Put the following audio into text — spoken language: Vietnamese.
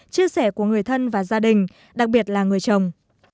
chia sẻ của người thân và gia đình đặc biệt là người chồng